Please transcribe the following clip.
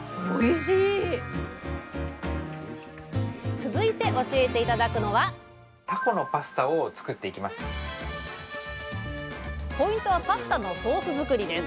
続いて教えて頂くのはポイントはパスタのソース作りです。